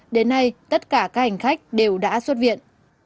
đến nay tất cả các hành khách đều đã xuất viện